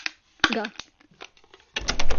گا